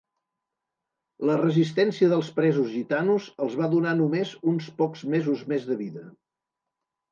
La resistència dels presos gitanos els va donar només uns pocs mesos més de vida.